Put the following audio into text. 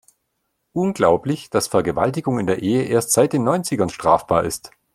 Unglaublich, dass Vergewaltigung in der Ehe erst seit den Neunzigern strafbar ist.